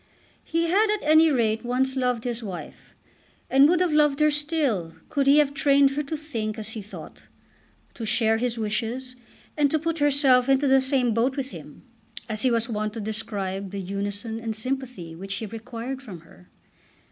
He had, at any rate, once loved his wife, and would have loved her still could he have trained her to think as he thought, to share his wishes, and "to put herself into the same boat with him," as he was wont to describe the unison and sympathy which he required from her.